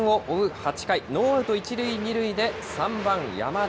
８回、ノーアウト１塁２塁で３番山田。